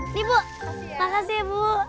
nih bu makasih ya bu